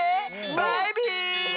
バイビー！